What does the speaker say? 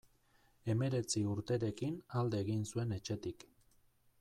Hemeretzi urterekin alde egin zuen etxetik.